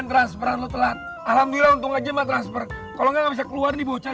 transferan telat alhamdulillah untung aja mah transfer kalau nggak bisa keluar di bocah